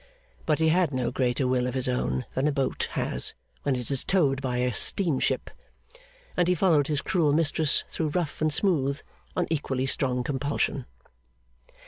But he had no greater will of his own than a boat has when it is towed by a steam ship; and he followed his cruel mistress through rough and smooth, on equally strong compulsion.